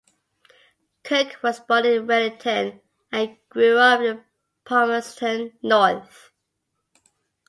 Kirk was born in Wellington and grew up in Palmerston North.